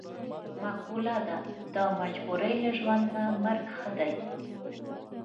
معقوله ده: د مجبورۍ له ژوند نه مرګ ښه دی.